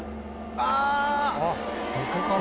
あっそこから？